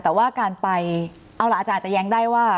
แต่ว่าการไปเอาล่ะอาจารย์จะแย้งได้ว่า